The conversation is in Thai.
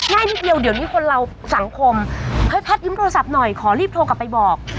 นิดเดียวเดี๋ยวนี้คนเราสังคมเฮ้ยแพทย์ยิ้มโทรศัพท์หน่อยขอรีบโทรกลับไปบอก